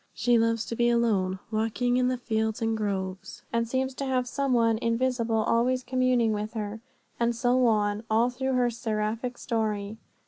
She loves to be alone, walking in the fields and groves, and seems to have some one invisible always communing with her." And so on, all through her seraphic history.